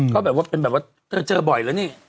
ก็แบบว่าเป็นแบบว่าเธอเจอบ่อยแล้วนี่